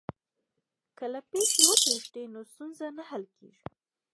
که له پېښي وتښتې نو ستونزه نه حل کېږي.